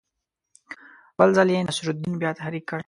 بل ځل یې نصرالدین بیا تحریک کړ.